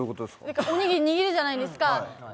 おにぎり、握るじゃないですか。